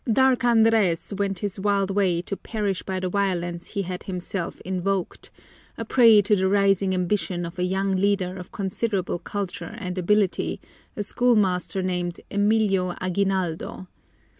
Dark Andres went his wild way to perish by the violence he had himself invoked, a prey to the rising ambition of a young leader of considerable culture and ability, a schoolmaster named Emilio Aguinaldo.